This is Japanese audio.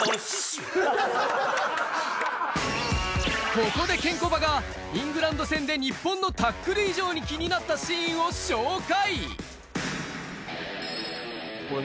ここでケンコバがイングランド戦で日本のタックル以上に気になったシーンを紹介。